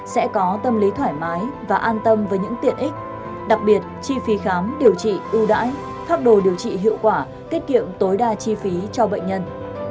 sẽ có tâm lý thoải mái và an tâm với những tiện ích đặc biệt chi phí khám điều trị ưu đãi phát đồ điều trị hiệu quả tiết kiệm tối đa chi phí cho bệnh nhân